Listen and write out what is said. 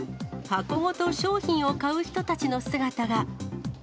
箱ごと商品を買う人たちの姿が。